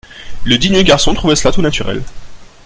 Le digne garçon trouvait cela tout naturel !